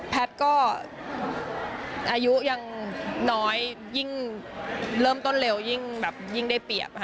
แพ็ดก็อายุยังน้อยเริ่มต้นเร็วยิ่งได้เปรียบ